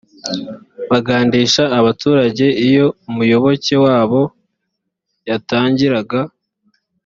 bagandisha abaturage iyo umuyoboke wabo yatangiraga